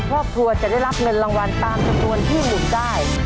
ครอบครัวจะได้รับเงินรางวัลตามจำนวนที่หมุนได้